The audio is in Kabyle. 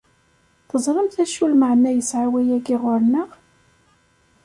Teẓramt acu lmeɛna yesɛa wayagi ɣer-neɣ?